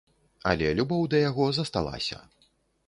Але любоў да яго засталася.